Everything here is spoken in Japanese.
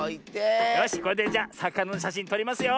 よしこれでじゃさかなのしゃしんとりますよ。